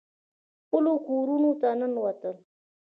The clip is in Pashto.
خپلو کورونو ته ننوتل.